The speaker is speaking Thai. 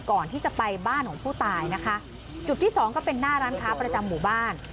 ก่อนที่จะไปบ้านของผู้ตายนะคะจุดที่สองก็เป็นหน้าร้านค้าประจำหมู่บ้าน